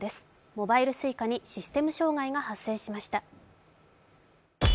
モバイルＳｕｉｃａにシステム障害が発生しました。